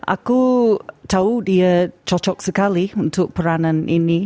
aku tahu dia cocok sekali untuk peranan ini